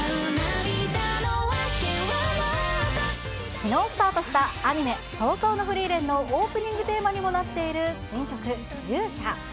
きのうスタートしたアニメ、葬送のフリーレンのオープニングテーマにもなっている新曲、勇者。